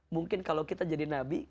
mungkin kalau kita jadi nabi